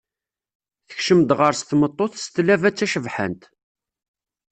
Tekcem-d ɣer-s tmeṭṭut s tlaba d tacebḥant